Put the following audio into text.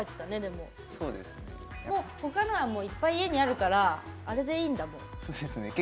もうほかのはいっぱい家にあるからあれでいいんだ？